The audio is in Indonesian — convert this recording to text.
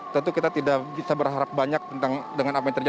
tentu kita tidak bisa berharap banyak tentang dengan apa yang terjadi